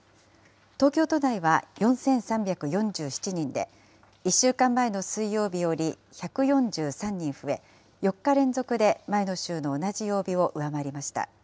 東京都内は４３４７人で、１週間前の水曜日より１４３人増え、４日連続で前の週の同じ曜日を上回りました。